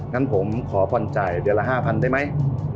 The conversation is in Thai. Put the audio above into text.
งั้นผมขอผ่อนจ่ายเดือนละ๕๐๐ได้ไหม